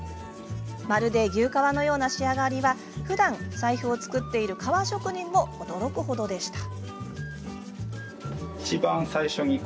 まるで牛革のような仕上がりはふだん財布を作っている革職人も驚くほどでした。